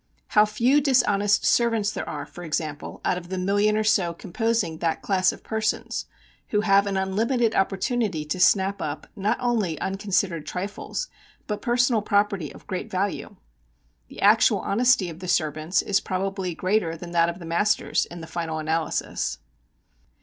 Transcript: How few dishonest servants there are, for example, out of the million or so composing that class of persons who have an unlimited opportunity to snap up not only unconsidered trifles, but personal property of great value. The actual honesty of the servants is probably greater than that of the masters in the final analysis.